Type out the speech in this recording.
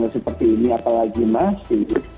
seperti ini apalagi masih